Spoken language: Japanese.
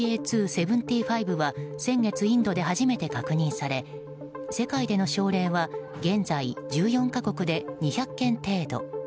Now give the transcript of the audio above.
．２．７５は先月インドで初めて確認され世界での症例は１４か国で２００件程度。